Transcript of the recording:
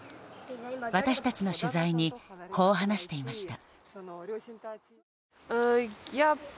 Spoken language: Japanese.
私たちの取材にこう話していました。